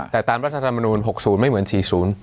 แต่ตามรัฐธรรมนูล๖๐ไม่เหมือน๔๐